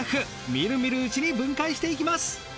みるみるうちに分解していきます。